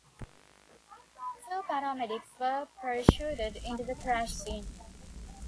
Two paramedics were parachuted into the crash scene.